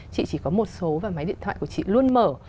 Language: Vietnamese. chị chỉ có một số và máy điện thoại của chị luôn mở